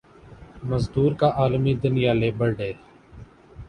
مزدور کا عالمی دن یا لیبر ڈے